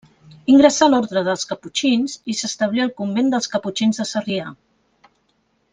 Ingressà a l’orde dels caputxins i s'establí al convent dels caputxins de Sarrià.